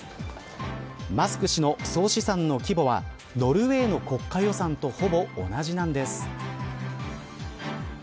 マスク氏の総資産の規模はノルウェーの国家予算とほぼ同じなんです。